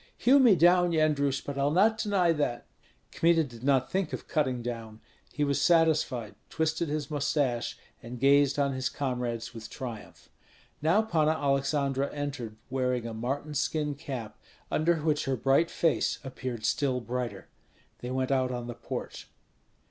"Hew me down, Yendrus, but I'll not deny that." Kmita did not think of cutting down; he was satisfied, twisted his mustache, and gazed on his comrades with triumph. Now Panna Aleksandra entered, wearing a marten skin cap, under which her bright face appeared still brighter. They went out on the porch.